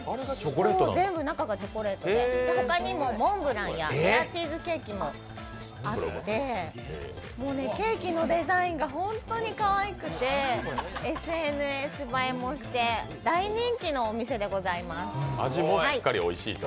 全部中がチョコレートで、ほかにもモンブランやレアチーズケーキもあってケーキのデザインがホントにかわいくて、ＳＮＳ映えもして大人気のお店でございます。